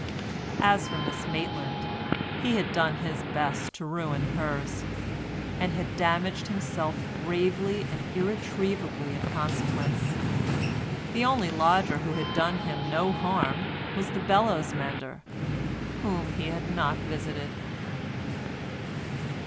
As for Miss Maitland, he had done his best to ruin hers, and had damaged himself gravely and irretrievably in consequence. The only lodger who had done him no harm was the bellows' mender, whom he had not visited.